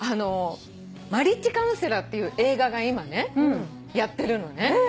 『マリッジカウンセラー』っていう映画が今ねやってるのね。